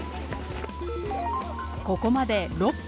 ここまで６分。